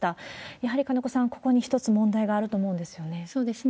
やはり金子さん、ここに一つ問題があると思うんですよね。